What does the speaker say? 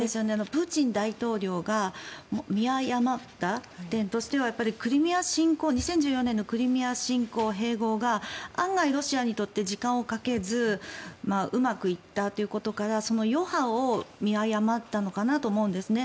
プーチン大統領が見誤った点としては２０１４年のクリミア侵攻、併合が案外、ロシアにとって時間をかけずうまくいったということからその余波を見誤ったのかなと思うんですね。